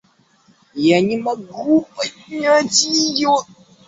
Я не могу поднять ее...